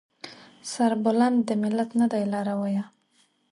سربلند دې ملت نه دی لارويه